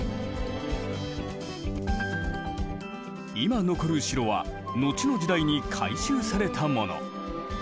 今残る城は後の時代に改修されたもの。